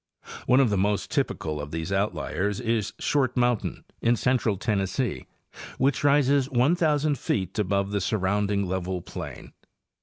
One of the most typical of these outliers is Short mountain, in central Tennessee, which rises 1,000 feet above the surrounding level plain.